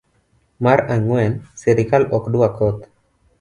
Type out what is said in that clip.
mar ang'wen srikal ok dwa koth